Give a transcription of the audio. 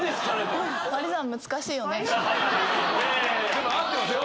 でも合ってますよ